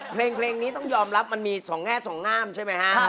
เพลงนี้ต้องยอมรับมันมีสองแง่สองงามใช่ไหมฮะ